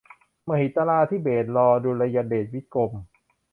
มหิตลาธิเบศรอดุลยเดชวิกรม